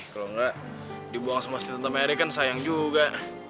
kalau enggak dibuang sama tante mary kan sayang juga